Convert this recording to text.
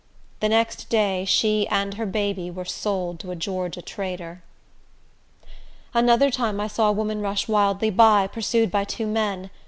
The next day she and her baby were sold to a Georgia trader. Another time I saw a woman rush wildly by, pursued by two men.